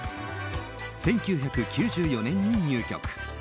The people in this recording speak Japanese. １９９４年に入局。